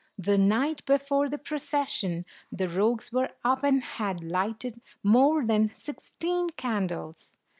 The night before the procession, the rogues were up, and had lighted more than sixteen candles.